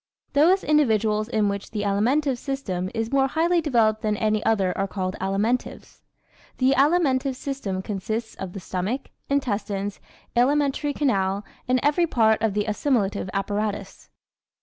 _ Those individuals in whom the alimentive system is more highly developed than any other are called Alimentives. The alimentive system consists of the stomach, intestines, alimentary canal and every part of the assimilative apparatus.